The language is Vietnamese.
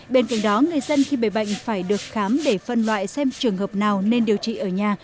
bên cạnh đó người dân khi bệnh phải được khám để phân loại xem trường hợp nào nên điều trị ở nhà